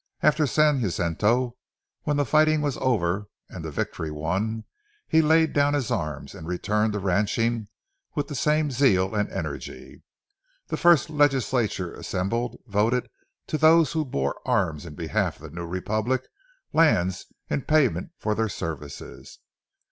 After San Jacinto, when the fighting was over and the victory won, he laid down his arms, and returned to ranching with the same zeal and energy. The first legislature assembled voted to those who had borne arms in behalf of the new republic, lands in payment for their services.